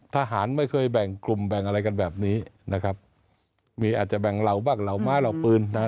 ทหารไม่เคยแบ่งกลุ่มแบ่งอะไรกันแบบนี้นะครับมีอาจจะแบ่งเหล่าบ้างเหล่าม้าเหล่าปืนนะฮะ